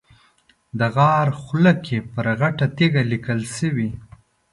د غار خوله کې پر غټه تیږه لیکل شوي.